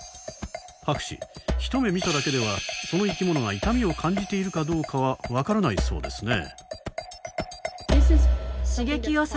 博士ひと目見ただけではその生き物が痛みを感じているかどうかは分からないそうですね？